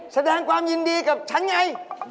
แสดงความยินดีกับฉันไง